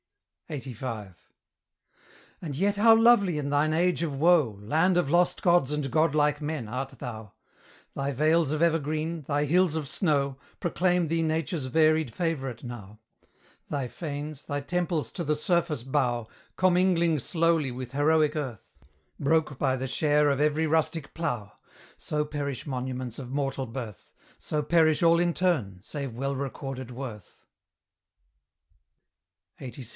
LXXXV. And yet how lovely in thine age of woe, Land of lost gods and godlike men, art thou! Thy vales of evergreen, thy hills of snow, Proclaim thee Nature's varied favourite now; Thy fanes, thy temples to the surface bow, Commingling slowly with heroic earth, Broke by the share of every rustic plough: So perish monuments of mortal birth, So perish all in turn, save well recorded worth; LXXXVI.